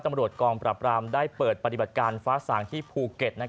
ตำรวจกองปราบรามได้เปิดปฏิบัติการฟ้าสางที่ภูเก็ต